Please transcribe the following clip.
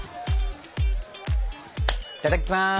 いただきます。